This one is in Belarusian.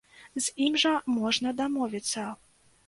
З ім жа можна дамовіцца.